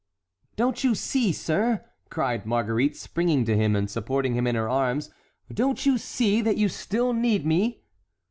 "Don't you see, sir," cried Marguerite, springing to him and supporting him in her arms, "don't you see that you still need me?"